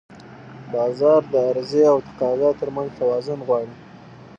بازار د عرضه او تقاضا ترمنځ توازن غواړي.